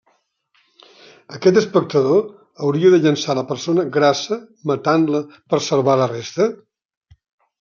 Aquest espectador hauria de llençar la persona grassa, matant-la, per salvar la resta?